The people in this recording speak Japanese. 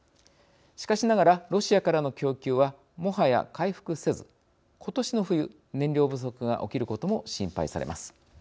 しかしながらロシアからの供給はもはや回復せず今年の冬、燃料不足が起きることも心配されます。